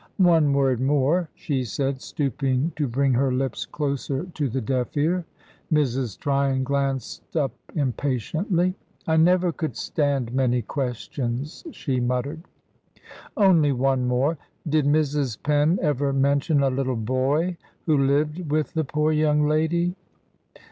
"One word more," she said, stooping to bring her lips closer to the deaf ear. Mrs. Tryon glanced up impatiently. "I never could stand many questions," she muttered. "Only one more. Did Mrs. Penn ever mention a little boy who lived with the poor young lady?"